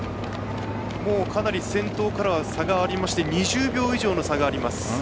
もうかなり先頭からは差がありまして２０秒以上の差があります。